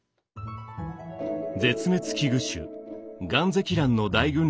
絶滅危惧種ガンゼキランの大群落が咲き誇る